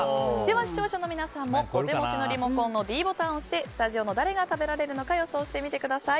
視聴者の皆さんも、お手持ちのリモコンのｄボタンを押してスタジオの誰が食べられるのか予想してみてください。